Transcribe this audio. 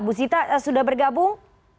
bu zita sudah bergabung